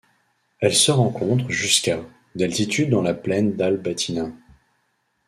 Elle se rencontre jusqu'à d'altitude dans la plaine d'Al Batinah.